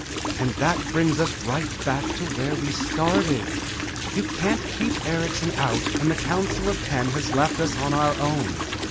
"And that brings us right back to where we started. You can't keep Erikson out, and the Council of Ten has left us on our own.